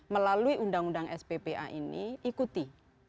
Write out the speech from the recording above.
melalui undang undang sppa ini ikuti